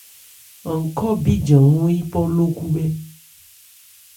An khɔ́ bíjan hɔ́n yípɔ ló khúbhɛ́.